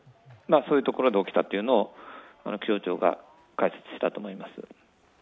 そういうところで起きたというのを気象庁が解説したと思います。